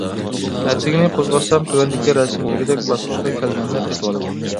ئەتىگىنى قوزغاتسام تۆۋەندىكى رەسىمدىكىدەك باسقۇچقا كەلگەندە قېتىۋالىدۇ.